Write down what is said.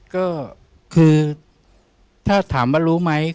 ก็คือถ้าถามว่ารู้ไหม